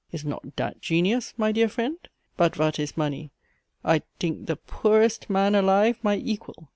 Is not dhat ghenius, my dear friend? But vat is money? I dhink dhe poorest man alive my equal.